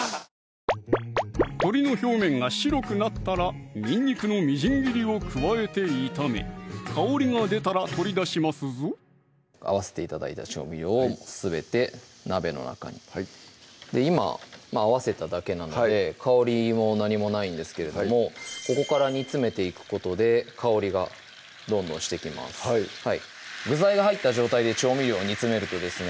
鶏の表面が白くなったらにんにくのみじん切りを加えて炒め香りが出たら取り出しますぞ合わせて頂いた調味料をすべて鍋の中に今合わせただけなので香りも何もないんですけれどもここから煮つめていくことで香りがどんどんしてきます具材が入った状態で調味料煮詰めるとですね